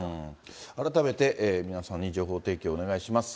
改めて皆さんに情報提供をお願いします。